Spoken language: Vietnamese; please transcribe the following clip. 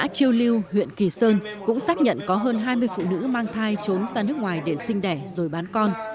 chiêu lưu huyện kỳ sơn cũng xác nhận có hơn hai mươi phụ nữ mang thai trốn ra nước ngoài để sinh đẻ rồi bán con